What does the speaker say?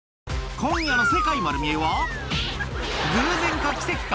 今夜の『世界まる見え！』は偶然か？